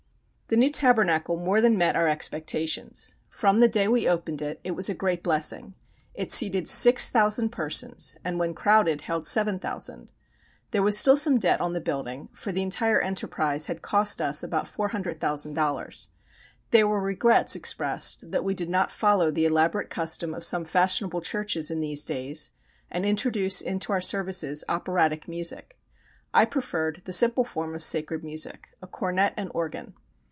The new Tabernacle more than met our expectations. From the day we opened it, it was a great blessing. It seated 6,000 persons, and when crowded held 7,000. There was still some debt on the building, for the entire enterprise had cost us about $400,000. There were regrets expressed that we did not follow the elaborate custom of some fashionable churches in these days and introduce into our services operatic music. I preferred the simple form of sacred music a cornet and organ.